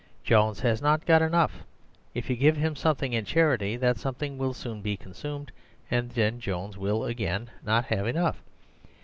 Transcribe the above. Jones has not got enough. If you give him something in charity, that something will be soon consumed, and then Jones will again not have enough.